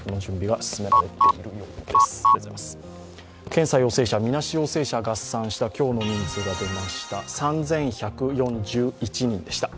検査陽性者、みなし陽性者合算した今日の人数が出ました。